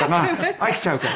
飽きちゃうから。